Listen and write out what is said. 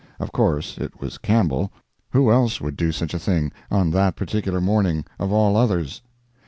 Of course it was Campbell—who else would do such a thing, on that particular morning, of all others?